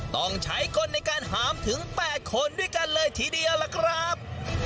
ต้องใช้คนในการหามถึง๘คนด้วยกันเลยทีเดียวล่ะครับ